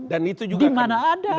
dan itu juga tidak ada